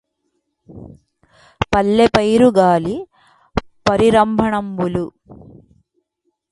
పల్లె పైరుగాలి పరిరంభణమ్ములు